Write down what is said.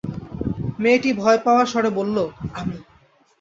মেয়েটি ভয়-পাওয়া স্বরে বলল, আমি।